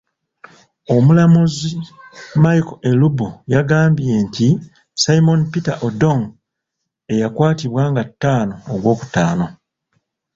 Omulamuzi Michael Elubu yagambye nti Simon Peter Odongo eyakwatibwa nga taano ogw'okutaano.